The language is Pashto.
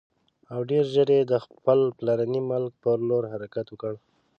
او ډېر ژر یې د خپل پلرني ملک پر لور حرکت وکړ.